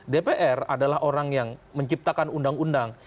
dpr adalah orang yang menciptakan undang undang